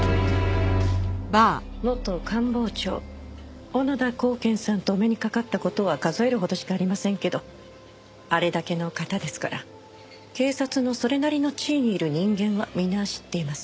元官房長小野田公顕さんとお目にかかった事は数えるほどしかありませんけどあれだけの方ですから警察のそれなりの地位にいる人間は皆知っています。